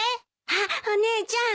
あっお姉ちゃん。